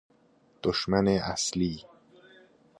دشمن اصلی